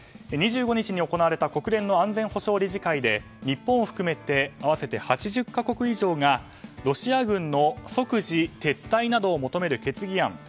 ２５日に行われた国連の安全保障理事会で日本を含めて合わせて８０か国以上がロシア軍の即時撤退などを求める決議案